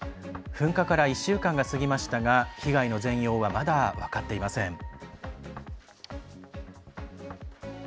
噴火から１週間が過ぎましたが被害の全容はまだ分かっていません。